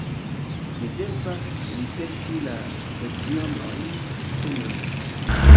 Mi devas ripeti la lecionojn kun li.